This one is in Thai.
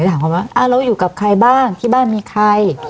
ถามเขาว่าเราอยู่กับใครบ้างที่บ้านมีใคร